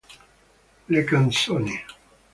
Le canzoni